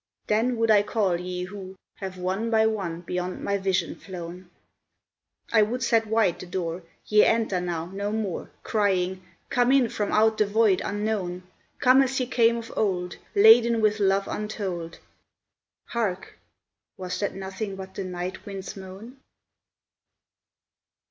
Then would I call ye who Have one by one beyond my vision flown ; I would set wide the door Ye enter now no more Crying, " Come in from out the void unknown! Come as ye came of old Laden with love untold "— Hark ! was that nothing but the night wind's moan